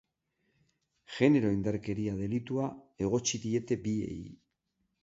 Genero indarkeria delitua egotzi diete biei.